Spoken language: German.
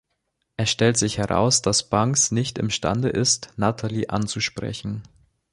Es stellt sich heraus, dass Banks nicht imstande ist, Natalie anzusprechen.